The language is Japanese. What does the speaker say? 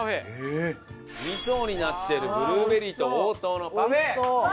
２層になってるブルーベリーと黄桃のパフェ！